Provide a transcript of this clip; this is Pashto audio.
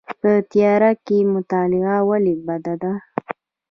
په تیاره کې مطالعه ولې بده ده؟